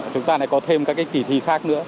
chúng ta lại có thêm các cái kỳ thi khác nữa